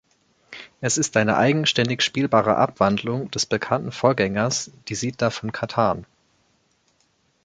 Es ist eine eigenständig spielbare Abwandlung des bekannten Vorgängers Die Siedler von Catan.